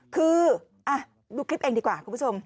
คือดูคลิปเองดีกว่าคุณผู้ชม